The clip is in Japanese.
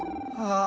ああ。